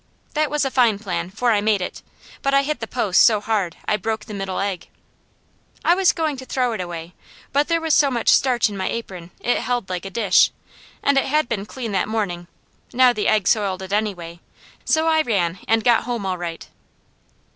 That was a fine plan, for I made it, but I hit the post so hard I broke the middle egg. I was going to throw it away, but there was so much starch in my apron it held like a dish, and it had been clean that morning, now the egg soiled it anyway, so I ran and got home all right.